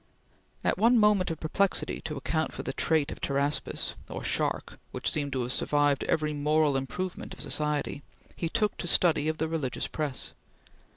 At one moment of perplexity to account for this trait of Pteraspis, or shark, which seemed to have survived every moral improvement of society, he took to study of the religious press.